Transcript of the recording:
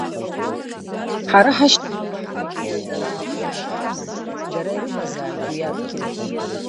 Ҳара ҳашьҭахьҟа ҳхынҳәуеит, ара аагылашьа ҳамам, дара ирымазааит уи адгьыл!